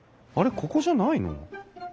ここじゃないの？